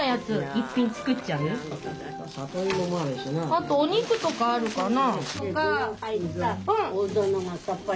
あとお肉とかあるかな。